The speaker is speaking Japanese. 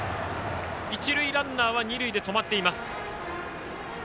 一塁ランナーは二塁で止まっています。